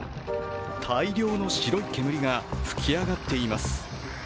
大量の白い煙が噴き上がっています。